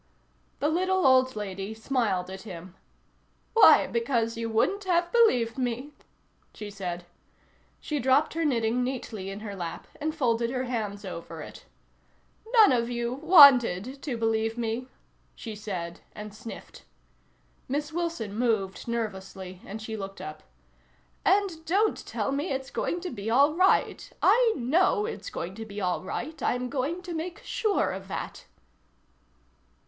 The little old lady smiled at him. "Why, because you wouldn't have believed me," she said. She dropped her knitting neatly in her lap and folded her hands over it. '"None of you wanted to believe me," she said, and sniffed. Miss Wilson moved nervously and she looked up. "And don't tell me it's going to be all right. I know it's going to be all right. I'm going to make sure of that."